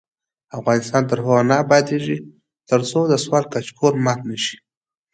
افغانستان تر هغو نه ابادیږي، ترڅو د سوال کچکول مات نشي.